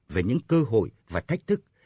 về những cơ hội và thách thức